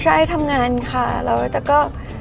ใช่ทำงานค่ะแล้วแต่ก็